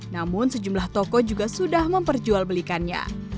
namun sejumlah toko juga sudah memperjualbelikannya